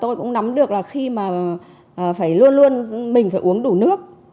tôi cũng nắm được là khi mà phải luôn luôn mình phải uống đủ nước